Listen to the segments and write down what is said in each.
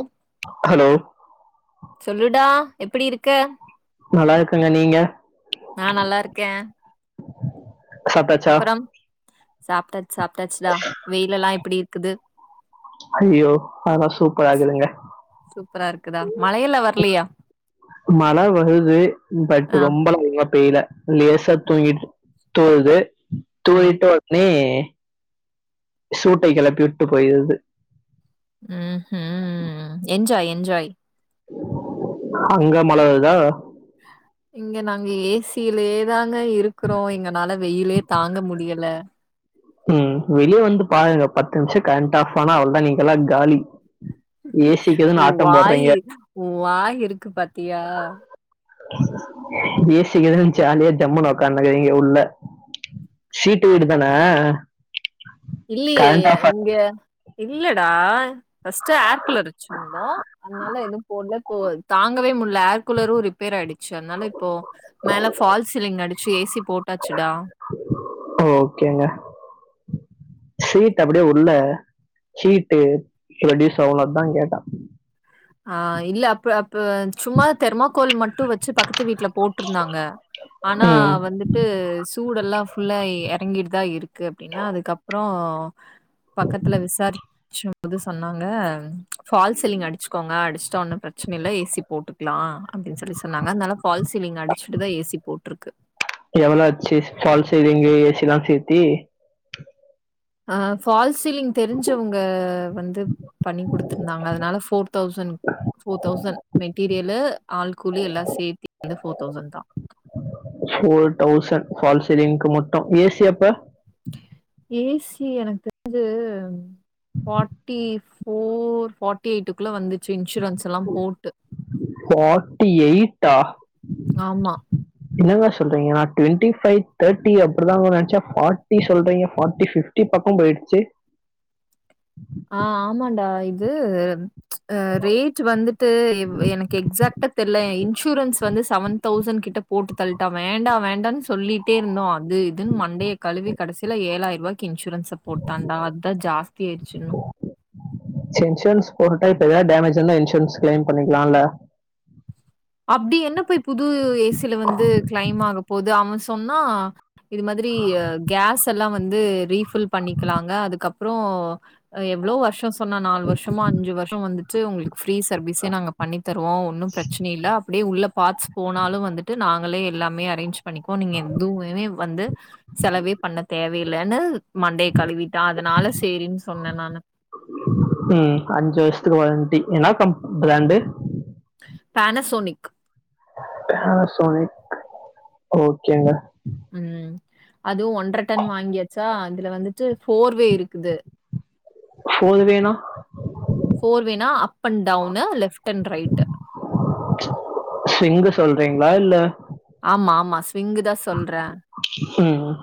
உ [inaudible] ஹலோ சொல்லுடா எப்பிடி இருக்க நல்லா இருக்கங்க நீங்க நா நல்லா இருக்கே சாப்டாச்சா சாப்டாச்சு சாப்டாச்சுடா வெயில் எல்லா எப்பிடி இருக்குது அய்யோ அதலா சூப்பரா இருக்குதுங்க சூப்பரா இருக்குதா மழையெல்லா வர்லயா மழ வருது பட் ஆ ரொம்ப எலா ஒழுங்கா பெய்ல லேசா தூங்கிட் தூருது ம் தூரிட்டு ஒட்னே சூட்ட கெளப்பி விட்டு போயிருது ம் ம் என்ஜாய் என்ஜாய் அங்க மழ வருதா இங்க நாங்க ஏ சி யிலயே தாங்க இருக்குறோ எங்கனால வெயிலே தாங்க முடியல ம் வெளிய வந்து பாருங்க பத்து நிமிஷோ கரண்ட் ஆஃப் ஆனா அவ்ளோதா நீங்கெல்லா காலி ஏசிக்கு எதுன்னு ஓன் ஆட்டம் வாயி போடுறீங்க ஓன் வாயி இருக்கு பாத்தியா ஏ சி இருக்குதுனு நல்லா ஜாலியா ஜம்முனு ஒக்காந்துக்கிறீங்க உள்ள ஷீட்டு வீடு தான இல்லையே இங்க இல்லடா ஃபர்ஸ்ட்டு ஏர் குலர் வச்சு ந்தோ அதனால எது போட்ல இப்போ தாங்கவே முடில்ல ஏர் கூலரு ரிப்பேர் ஆயிடுச்சு அதனால இப்போ மேல ஃபால் சீலிங் அடிச்சி ஏ சி போட்டாச்சுடா ஓகேங்க ஷீட் அப்டியே உள்ள ஷீட்டு ரெடியூஸ் அவ்ளோதா கேட்டான் ஆ இல்ல அப்பு அப்பு சும்மா தெர்மாக்கோல் மட்டு வச்சு பக்கத்து வீட்டுல போட்டுருந்தாங்க ஆனா ம் வந்துட்டு சூடெல்லா ஃபுல்லாகி எறங்கிட்டுதா இருக்கு அப்டினா அதுக்கப்புறோ பக்கத்துல விசாரிச்ச போது சொன்னாங்க பால் சிலிங் அடிச்ச கோங்க அடிச்சுட்டா ஒன்னு பிரச்சனை இல்ல ஏ சி போட்டுக் லா அப்டினு சொல்லி சொன்னாங்க அதனால பால்சீலிங் அடிச்சுட்டுதா ஏசி போட்டுருக்கு எவ்ளோ ஆச்சு பால்சீலிங் ஏ சி எல்லா சேர்த்தி அ பால்சீலிங் தெரிஞ்சவுங்க வந்து பண்ணி குடுத்துருந்தாங்க அதனால four thousand four thousand material all கூலி எல்லா சேர்த்தி வந்து ஃபோர் தௌசண்ட் தா ஃபோர் டௌசண்ட் பால்சீலிங்கு மட்டு ஏ சி அப்ப ஏ சி எனக்கு தெரிஞ்சு ஃபார்ட்டி ஃபோர் ஃபார்ட்டி எயிட்டுக்குள்ள வந்துச்சு இன்சூரன்ஸ் எல்லா போட்டு ஃபார்ட்டி எயிட்டா ஆமா [inaudible] என்னங்க சொல்றீங்க நா டுவெண்ட்டி ஃபைவ் தேர்டி அப்டிதா வரு நெனைச்சே ஃபார்டி சொல்றீங்க ஃபார்ட்டி ஃபிப் டி பக்கோ போய்ருச்சு ஆ ஆமான்டா இது ரேட்டு வந்துட்டு இவ் எனக்கு எக்ஸ்சாக்டா தெர்ல இன்சூரன்ஸ் வந்து சவன் தௌசண் கிட்ட போட்டு தள்ட்டான் வேண்டா வேண்டானு சொல்லி ட்டேருந்தோ அது இதுன்னு மண்டைய கழுவி கடைசில ஏழ்ழாயிர ருவாய்க்கி இன்சூரன்ஸ் இந்தா போட்டாண்டா அதுதா ஜாஸ்தி ஆயிடுச்சுன்னு சேர் இன்சூரன்ஸ் ஒரு டைம் இப்ப எதாது டேமேஜ் இருந்தா இன்சூரன்ஸ் கிளைம் பண்ணிக்கலால்ல அப்டி என்ன போய் புது ஏ சி ல வந்து கிளைம் ஆக போது அவன் சொன்னா இது மாதிரி கேஸ் எல்லா வந்து ரீபில் பண்ணிக்கலாங்க அதுக்கப்புறோ ஆ எவ்ளோ வருஷோ சொன்னா நாலு வருஷமோ அஞ்சு வருஷோ வந்துட்டு ஸ்டு ஒங்களுக்கு ஃப்ரீ சர்வீஸே நாங்க பண்ணி தருவோ ஒன்னு பிரச் அப்டியே உள்ள பார்ட்ஸ் போனாலு வந்துட்டு நாங்களே எல்லாமே அரேஞ்ச் பண்ணிக்குகோ நீங்க எதுவுமே வந்து செலவே பண்ணத் தேவையில்லனு மண்டைய கழுவிட்டான் அதனால சேரின்னு சொன்னே நானு ம் அஞ்சு வர்ஷத்துக்கு வாரண்டி என்ன கம் பிராண்டு பேனசோனிக் பேனசோனிக் ஓகேங்க ம் அதுவு ஒன்ற டன் வாங்கியாச்சா அதுல வந்துட்டு ஃபோர்வே இருக்குது ஃபோர்வேனா ஃபோர் வேனா up and down left and right swing சொல்றீங்ளா இல்ல ஆமா ஆமா ஸ்விங்கு தா சொல்றே ம்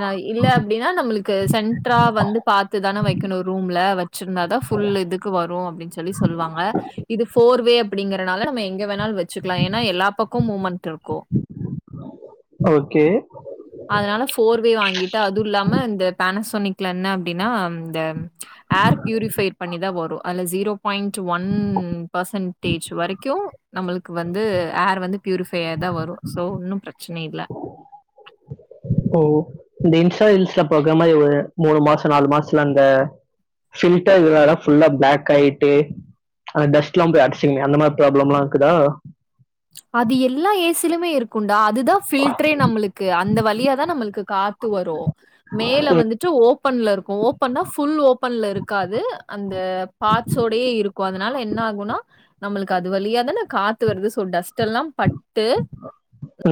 நா இல்ல அப்டின்னா நம்மளுக்கு சென்ட்ரா வந்து பாத்து தானே வெக்கணு ரூம்ல வந் வெச்சிருந்தா ஃபுல் இதுக்கு வரு அப்டின்னு சொல்லி சொல்லுவாங்க இது ஃபோர்வே அப்டிங்கறனால நம்ம எங்க வேணாலு வெச்சக்கலா ஏன்னா எல்லா பக்கமு மூமெண்ட் இருக்கு ஓகே அதனால ஃபோர்வே வாங்கிட்டு அதுவு இல்லாம இந்த பேனசோனிக்ல என்ன அப்டின்னா இந்த ஏர் பியூரிஃபை பண்ணிதா வரு அது ஜீரோ பாயிண்ட் ஒன் பர்சன்டேஜ் வரைக்கு நம்மளுக்கு வந்து ஏர் வந்து பியூரிஃபையா தா வரு சோ ஒன்னு பிரச்சன இல்ல ஓ இந்த இன்ஸ்டா ரீல்ஸ்ல பொக மாரி ஒரு மூணு மாசோ நாலு மாசத்துல அந்த ஃபில்டர் இல்லதனால ஃபுல்லா பிளாக் ஆயிட்டு அந்த டஸ்ட்லா போய் அடச்சிக்குனு அந்த மாரி ப்ராப்லம்லா இருக்குதா அது எல்லா ஏ சி லுமே இருக் குண்டா அதுதா ஃபில்டரே நம்மளுக்கு அந்த வழியாதா நம்மளுக்கு காத்து வரு மேல வந்துட்டு ஓப்பன்ல இருக்கு ஓப்பன்னா ஃபுல் ஓபன்ல இருக்காது அந்த பாட்சோடையே இருக்கு அதனால என்ன ஆகும்னா நம்மளுக்கு அது வழியாதானே காத்து வருது சோ டஸ்ட் எல்லா பட்டு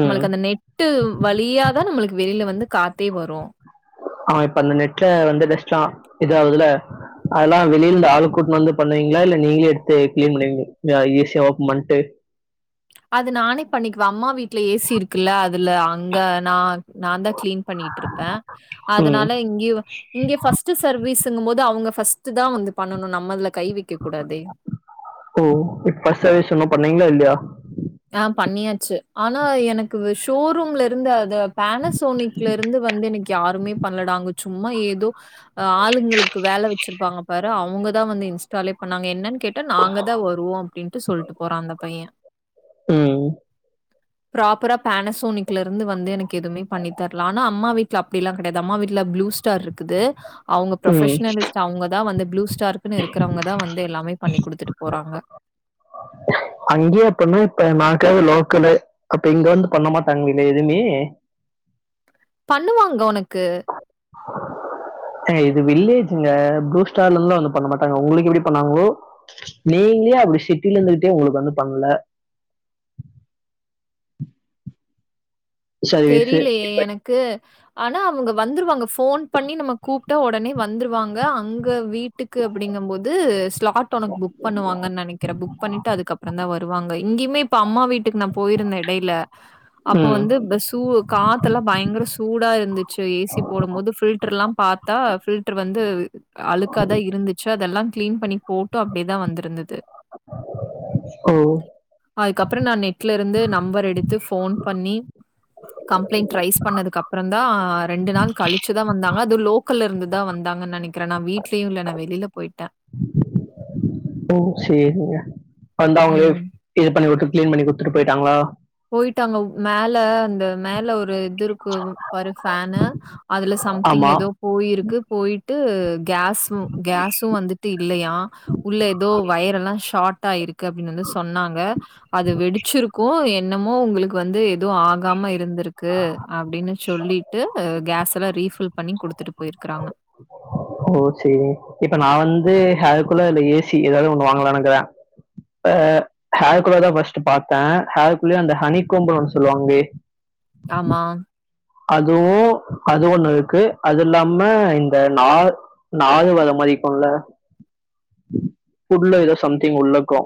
ம் நம்மளுக்கு அந்த நெ நெட்டு வழியாதா நம்மளுக்கு வெளியில வந்து காத்தே வரு ஆ இப்ப அந்த நெட்ல வந்து டஸ்ட்லா இதாகுதுல்ல அதெல்லா வெளியில ஆள் கூட்டினு வந்து பண்ணுவீங்ளா இல்ல நீங்களே எடுத்து கிளீன் பண்ணு ஈஸியா ஓப்பன் பண்ணிட்டு அது நானே பண்ணிக்குவே அம்மா வீட்ல ஏ சி இருக்குல்ல அதுல அங்க நான் நான்தா கிளீன் பண்ணிட்டு இருப்பே ம் அதனால இங்கயு இங்க ஃபர்ஸ்ட் சர்வீஸ்சுங்கும் போது அவுங்க ஃபர்ஸ்ட் தா வந்து பண்ணணு நம்ம அதுல கை வெக்கக்க கூடாதே ஓ இப்போ ஃபர்ஸ்ட் சர்வீஸ் இன்னு பண்ணீங்களா இல்லையா ஆ பண்ணியாச்சி ஆனா எனக்கு ஷோரூம்ல இருந்து அத பேனசோனிக்ல இருந்து வந்து எனக்கு யாருமே பண்லடா அங்க சும்மா ஏதோ ஆ ஆளுங்களுக்கு வேல வெச்சிருப்பாங்க பாரு அவுங்கதா வந்து இன்ஸ்டாலே பண்ணாங்க என்னன்னு கேட்டா நாங்கதா வருவோ அப்டின்னுட்டு சொல்ட்டு போறா அந்த பைய ம் பிராப்பரா பேனசோனிக்ல இருந்து வந்து எனக்கு எதுவுமே பண்ணி தர்ல ஆனா அம்மா வீட்ல அப்டிலா கெடையாது அம்மா வீட்ல ப்புளுஸ் ஸ்டார் இருக்குது அவுங்க ம் ப்ரொபஷனலிஸ்ட் அவுங்கதா வந்து ப்ளூ ஸ்டார்குனு இருக்கறவங்கதா வந்து எல்லாமே பண்ணி் குடுத்துட்டு போறாங்க அங்யே அப்பினா இப்ப நா இருக்கறது லோக்கலு அப்ப இங்க வந்து பண்ண மாட்டாங்களே எதுவுமே பண்ணுவாங்க உனக்கு [inaudible] ஏங்க இது வில்லேஜிங்க ப்ளூ ஸ்டார்ல இருந்துல்லா வந்து பண்ண மாட்டாங்க உங்களுக்கு எப்டி பண்ணாங்களோ நீங்களே அப்டி சிட்டில இருந்துகிட்டே உங்குளுக்கு வந்து பண்ல சர்வீஸ் தெரியலயே எனக்கு ஆனா அவுங்க வந்துருவாங்க ஃபோன் பண்ணி நம்ம கூப் ட்டா ஒடனே வந்துருவாங்க அங்க வீட்டுக்கு அப்டிங்கு போது ஸ்லாட் டொனக் புக் பண்ணுவாங்கனு நெனக்கிறே புக் பண்ணிட்டு அதுக்கப்பறந்தா வருவாங்க இங்கியுமே இப்ப அம்மா வீட் க்கு நா போய்ருந்தே எடையில அப்போ ம் வந்து பெஸ் சூ காத்தெல்லா பயங்கர சூடா இருந்துச்சு ஏ சி போடும் போது ஃபில்டர்ல்லா பாத் தா ஃபில்டர் வந்து அழுக்காதா இருந்துச்சு அதெல்லா க்ளீன் பண்ணி போட்டு அப்டிதா வந்திருந்தது ஓ அதுக்கப்பறோ நா நெட்ல இருந்து நம்பர் எடுத்து ஃபோன் பண்ணி கம்ப்ளைண்ட் ரைஸ் பண்ணதுக்கு அப்றோம்தா ரெண்டு நாள் கழிச்சுதா வந்தாங்க அதும் லோக் கல்ல இருந்து தா வந்தாங்கன்னு நெனக்கிறே நா வீ்ட்லயுமில்ல நா வெளில போய்ட்டே ஓ சேரிங்க வந்தா அவுங்களே ம். இது பண்ணிவுட்டு க்ளீன் பண்ணிகுடுத்துட்டு போய்ட்டாங்களா போய்ட்டாங்க உப் மேல அந்த மேல ஒரு இதுருக் க்கு ஒரு ஃபேனு அதுல சம்திங் ஆமா ஏதோ போயிருக்கு போய் ட்டு கேஸ்சு கேஸ்சும் வந்துட்டு இல்லயா உள்ள ஏதோ வயரெல்லா ஷார்ட் ஆயிருக்கு அப்டின்னு வந்து சொன்னாங்க அது வெடிச்சிர்க்கு இன்னமோ உங்களுக்கு வந்து எதுவு ஆகாம இருந்திருக்கு அப்டின்னு சொல்லிட்டு கேஸ்ல்லா ரீஃபில் பண்ணி குடுத்துட்டு போயிருக்கறாங்க ஓ சேரி இப்ப நா வந்து ஹேர் கூலர் இல்ல ஏ சி ஏதாவ்து ஒண்ணு வாங்கலானுகுறே எ ஹேர்கூலர் தா ஃபஸ்ட்டு பாத்தே ஹேர்கூல்லயு அந்த ஹனிக்கோம்பு ஒன்னு சொல்லுவாங்களே ஆமா அதுவு அது ஒண்ணு இருக்கு அது இல்லாம இந்த நார் நாரு வர மாரிக்கும்ல உள்ள ஏதோ சம்திங் உள்ளக்கு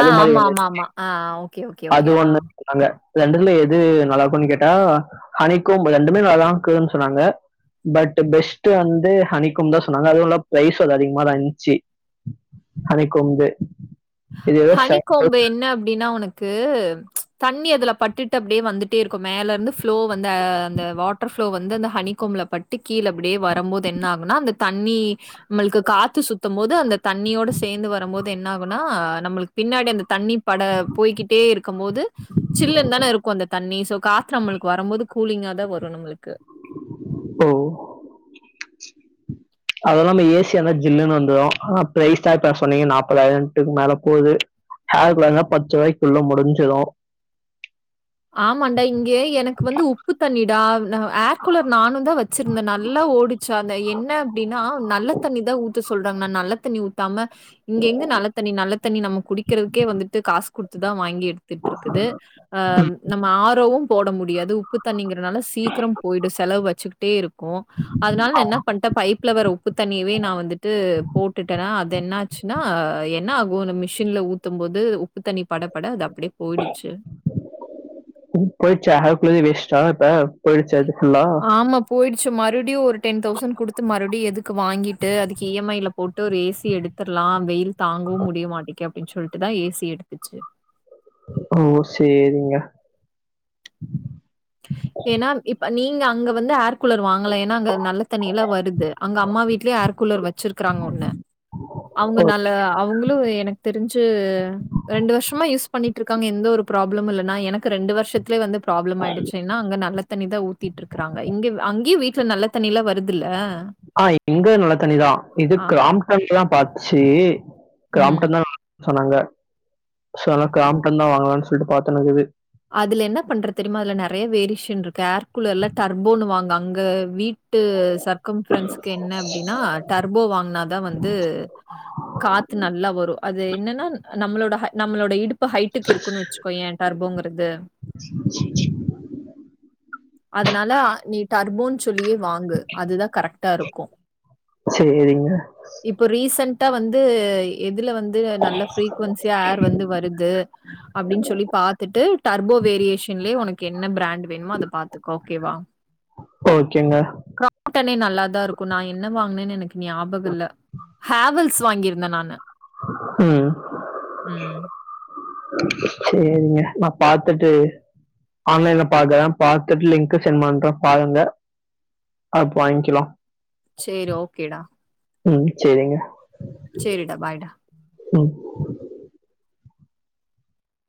அ ஆமா ஆமா ஆமா அ அ ஓகே ஓகே ஓகே அ அங்க ரெண்டுல எது நல்லாக்குன்னு கேட்டா ஹனிகோம்பபு ரெண்டுமே நல்லா ர்க்குன்னு சொன்னாங்க பட் பெஸ்ட் வந்து ஹனி கோம்தா சொன்னாங்க அதுவும் இல்லாம பிரைஸ் அது அதிகமாதா இந்ச்சு இருந்துச்சு ஹனி கொம்பு ஹனிக்கோம்பு என்ன அப்டின்னா ஒனக் கு தண்ணி அதுல பட்டுட்டு அப்டியே வந்துட்டே இருக்கு மேல இருந்து ஃபுளோ வந்து அந்த வா வாட்டர் ஃபுளோ வந்து அந்த ஹனி கோம்ல பட்டு கீழ அப்டியே வரம்போது என்ன ஆகும்னா அந்த தண்ணீ நம்மள்க்கு காத்து சுத்தும் போது அந்த தண்ணியோட சேந்து வரம்போது என்ன ஆகும்னா னா நம்மளுக்கு பின்னாடி அந்த தண்ணீ பட போய்கிட்டே இருக்கும் போது சில்லுன்னு தா இருக்கு அந்த தண்ணி சோ காத்து நம்மளுக்கு வரம்போது கூலிங்காதா வரும் நம்முளுக்கு ஓ அதெல்லா ஏசியாந்தா ஜில்லுன்னு வந்துரு ஆனா ப்ரைஸா இப்ப சொன்னீங்க நாப்பதாயிரக்கு மேலே போகுது ஹேய் கூலா னா பத்து ரூவாய்க்குள்ள முடிஞ்சிடு ஆமாண்டா இங்கே எனக்கு வந்து உப்பு தண்ணீடா ஏர் கூலர் நானு வச்சிருந்தே நல்லா ஓடிச்சு அந்த என்ன அப்டின்னா நல்ல தண்ணி தா ஊத் த சொல்றாங்கன்னா நல்லத்தண்ணி ஊத்தாம இங்க எங்கந்து நல்ல தண்ணி நல்ல தண்ணி நம்ம குடிக்கிறதுக்கே வந்துட்டு காசு குடுத்துதா வாங்கி எடுத் திட் இருக்குது நம்ம ஆ ரோவு போட முடியாது த உப்பு தண்ணிங்கிறனால சீக்கிரோ போய்டு செலவு வச்சுக்கிட்டே இருக்கு அத்னால என்னா பண் பைப்ல வர உப்பு தண்ணியவே நா வந்துட்டு போட்டுட்டேன்னா அது என்னாச்சுன்னா என்னாகு மிஷின்ல ஊத்தும் போது உப்பு தண்ணி பட பட அது அப்டியே போயிடுச்சு ம் போய்டுச்சா அதுக்குள்ளயே வேஸ்ட்டா இப்ப போய்டுச்சா அது ஃபுல்லா ஆமா போய்டுச்சு மறுப்டியு ஒரு டென் தௌசண்ட் குடுத்து மறுப்டியு எதுக்கு வாங்கிட்டு அதுக்கு இ எம் ஐல போட்டு ஒரு ஏசி எடுத் தர்லா வெயில் தாங்கவு முடிய மாட்டிக்கே அப்டின் சொல்ட்டுதா ஏசி எடுத்துச்சு ஓ சேரிங்க எனா இப்ப நீங்க அங்க வந்து ஏர் கூலர் வாங் கல எனா அங்க நல்ல தண்ணி எல்லா வருது அங்க அம்மா வீட்லயே ஏர் கூலர் வெச்சிருக்குறாங்க ஒன்னு அவுங்க ஓ நல்ல அவுங்களு எனக் தெரிஞ்சு ரெண்டு வர்ஷமா யூஸ் பண்ணிட்ருக்காங்க எந்த ஒரு ப்ராப்ளமு இல்லன்னா எனக்கு ரெண்டு வர்ஷத்துலயே வந்து ப்ராப்ளம் ஆய்டு எனா அங்க நல்ல தண்ணிதா ஊத்திட்டு இருக்கறாங்க இங்க அங்கியு வீட்ல நல்ல தண்ணிலா வருதுல்ல ஆ இங்க நல்ல தண்ணிதா இது ஆ, அப் க்ராம்டன்தா பாத்ச்சு ம். க்ராம்டன்தா நல்லாருக் சொன்னாங்க சோ அத்னால க்ராம்டன்தா வாங்கலான் சொல்ட்டு பாத்துன்னுக்குது அதுல என்ன பண்ற தெரியுமா அதுல நறைய வேரியேஷன் இருக்கு ஏர் கூலர்ல டர்போனு வாங்கு அங்க வீட் டு சர்க்கம்ஃரெண்ட்ஸ்க்கு என்ன அப்டின்னா டர்போ வாங்னாதா வந்து காத்து நல்லா வரு அது என்னன்னா நம்மளோட ஹ நம்மளோட இடுப் பு ஹைட்டுக்கு இருக்குன் வெச்சுக்கோயே டார்பேங்கற் து அதனால நீ டர்போன் சொல்லியே வாங்கு அதுதா கரெக்ட்டா இருக்கு சரிங்க. இப்போ ரீசன்டா வந்து எதுல வந்து நல்ல ஃப்ரீக்வென்சியா ஏர் வந்து வருது அப்டின் சொல்லி பாத்துட்டு டர்போ வேரியேஷன்லயே உனக்கு என்ன ப்ராண்ட்டு வேணுமோ அத பாத்துக்கோ ஓகேவா ஓகேங்க. க்ராம்டனே நல்லாதா இருக்கு நா என்ன வாங்னேன் எனக்கு ஞாபக இல்ல ஹாவல்ஸ் வாங்கியிருந்த நானு ம் ம் சேரிங்க நா பாத்துட்டு ஆன்லைன்ல பாக்கறே பாத்துட்டு லிங்க்க செண்ட் பண்றே பாருங்க அப்ப வாய்ங்கிலா சேரி ஓகேடா ம் சேரிங்க சேரிடா பாய்டா ம்